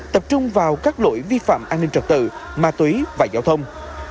tập trung vào các lỗi vi phạm an ninh trật tự ma túy và giao thông